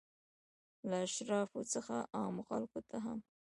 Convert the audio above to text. له اشرافو څخه عامو خلکو ته هم.